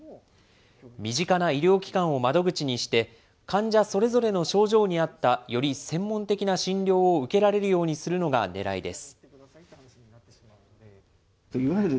身近な医療機関を窓口にして、患者それぞれの症状に合ったより専門的な診療を受けられるようにするのがねらいです。